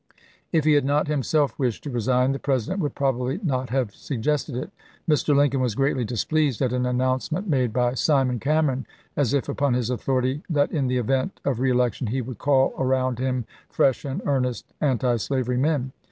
If he had not himself wished to resign the President would probably not have suggested it. Mr. Lin coln was greatly displeased at an announcement made by Simon Cameron, as if upon his authority, that in the event of reelection he would call around him fresh and earnest antislavery men.